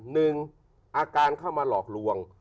หนึ่งอาการเข้ามาหลอกลวง